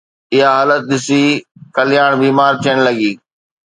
اها حالت ڏسي، ڪلياڻ بيمار ٿيڻ لڳي